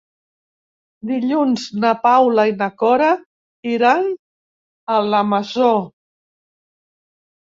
Dilluns na Paula i na Cora iran a la Masó.